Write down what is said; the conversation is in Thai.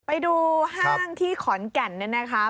ไปดูห้างที่ขอนแก่นเนี่ยนะคะ